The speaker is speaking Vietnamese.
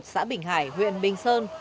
xã bình hải huyện bình sơn